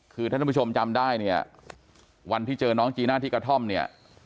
คือท่านผู้ชมจำได้เนี่ยวันที่เจอน้องจีน่าที่กระท่อมเนี่ย